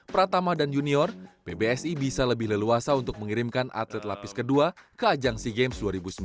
pratama dan junior pbsi bisa lebih leluasa untuk mengirimkan atlet lapis kedua ke ajang sea games dua ribu sembilan belas